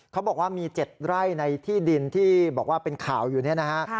เขาบอกว่ามี๗ไร่ในที่ดินที่บอกว่าเป็นข่าวอยู่เนี่ยนะฮะ